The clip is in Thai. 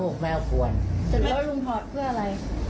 ลุงถอดเพื่ออะไร